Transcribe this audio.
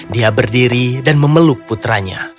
dia berdiri dan memeluk putranya